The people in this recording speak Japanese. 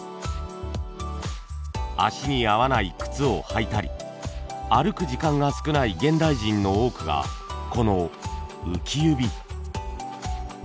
足に合わない靴を履いたり歩く時間が少ない現代人の多くがこの浮き指。